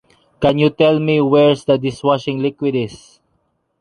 Can you tell me where the dishwashing liquid is?